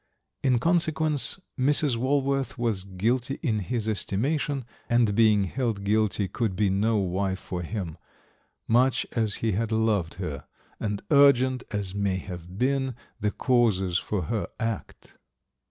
In consequence, Mrs. Walworth was guilty in his estimation, and being held guilty could be no wife for him, much as he had loved her and urgent as may have been the causes for her act.